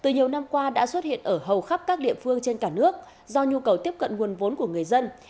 từ nhiều năm qua đã xuất hiện ở hầu khắp các địa phương trên cả nước do nhu cầu tiếp cận nguồn vốn của người dân